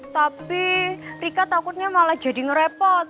tapi rika takutnya malah jadi ngerepot